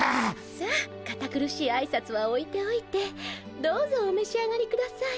さあ堅苦しいあいさつはおいておいてどうぞお召し上がりください。